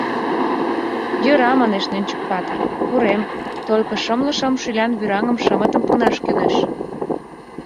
— Йӧра, — манеш Нӧнчык-патыр, — пурем, только шымле шым шӱлян вӱраҥым шымытым пунаш кӱлеш...